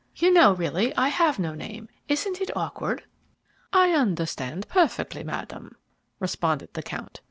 You know, really, I have no name. Isn't it awkward?" "I understand perfectly, Madam," responded the count.